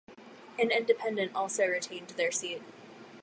An independent also retained their seat.